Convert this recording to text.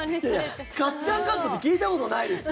かっちゃんカットって聞いたことないですよ。